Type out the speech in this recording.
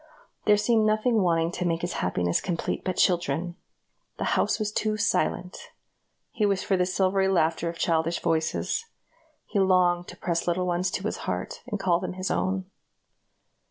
There seemed nothing wanting to make his happiness complete but children. The house was too silent; he wished for the silvery laughter of childish voices; he longed to press little ones to his heart, and call them his own.